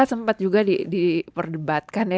sempat juga diperdebatkan ya